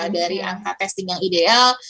dari angka testing yang ideal